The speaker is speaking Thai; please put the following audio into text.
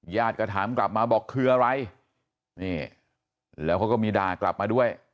ก็ถามกลับมาบอกคืออะไรนี่แล้วเขาก็มีด่ากลับมาด้วย